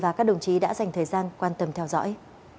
chúc quý vị và các đồng chí đã dành thời gian quan tâm theo dõi